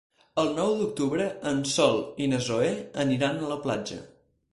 El nou d'octubre en Sol i na Zoè aniran a la platja.